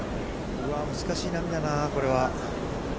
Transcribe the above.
うわ、難しい波だな、これは。